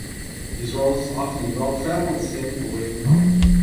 These roles often involved travel and staying away from home.